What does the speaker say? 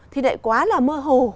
thì lại quá là mơ hồ